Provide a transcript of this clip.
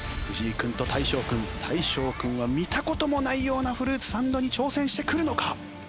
藤井君と大昇君大昇君は見た事もないようなフルーツサンドに挑戦してくるのか？